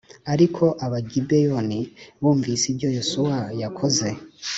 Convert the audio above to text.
Ariko Abagibeyoni bumvise ibyo Yosuwa yakoze